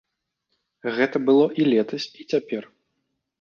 Гэта было і летась, і цяпер.